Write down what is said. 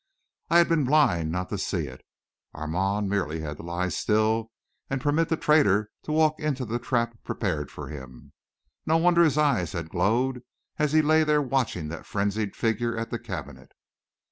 I had been blind not to see it! Armand had merely to lie still and permit the traitor to walk into the trap prepared for him. No wonder his eyes had glowed as he lay there watching that frenzied figure at the cabinet!